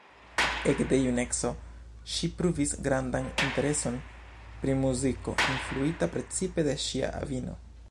Ekde juneco ŝi pruvis grandan intereson pri muziko, influita precipe de ŝia avino.